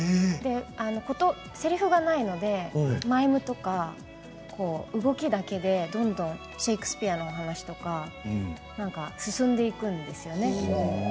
せりふがないので、マイムとか動きだけでどんどんシェイクスピアの話とか進んでいくんですよね。